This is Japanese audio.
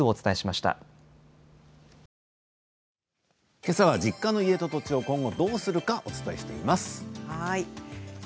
けさは実家の家と土地を今後どうするかお伝えしています。